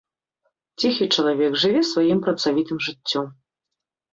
Ціхі чалавек жыве сваім працавітым жыццём.